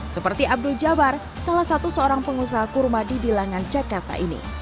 seperti abdul jabar salah satu seorang pengusaha kurma di bilangan jakarta ini